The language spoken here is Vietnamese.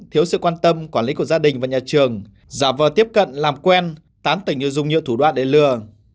thiếu sự quan tâm quản lý của gia đình và nhà trường giả vờ tiếp cận làm quen tán tỉnh như dung nhựa thủ đoạn để lừa